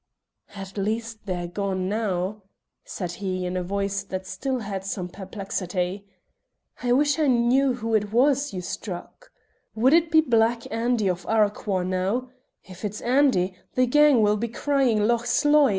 "At least they're gone now," said he in a voice that still had some perplexity. "I wish I knew who it was you struck. Would it be Black Andy of Arroquhar now? If it's Andy, the gang will be crying 'Loch Sloy!'